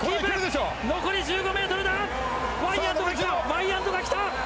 ワイヤントが、きた！